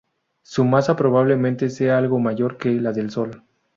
Su masa probablemente sea algo mayor que la del Sol.